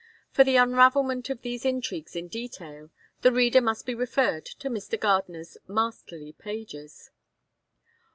For the unravelment of these intrigues in detail, the reader must be referred to Mr. Gardiner's masterly pages.